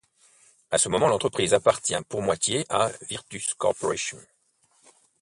À ce moment, l'entreprise appartient pour moitié à Virtus Corporation.